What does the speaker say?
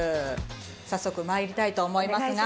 早速参りたいと思いますが。